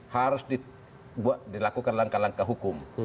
harus dilakukan langkah langkah hukum